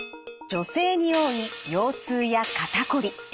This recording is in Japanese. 女性に多い腰痛や肩こり。